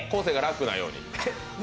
生が楽なように。